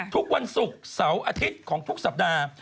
ทุกวันศุกร์เสาร์อาทิตย์ของทุกสัปดาห์